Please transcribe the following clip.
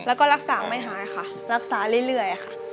แล้วก็รักษาไม่หายค่ะรักษาเรื่อยค่ะ